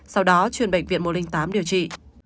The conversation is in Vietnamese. sau đó chuyển bệnh viện một trăm linh tám điều trị